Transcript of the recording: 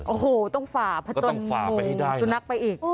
โอ้โหต้องฝ่าผจญสุนัขไปอีก